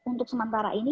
untuk sementara ini